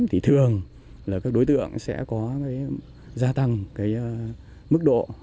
thì thường là các đối tượng sẽ có gia tăng mức độ